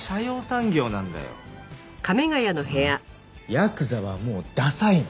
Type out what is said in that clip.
ヤクザはもうダサいの。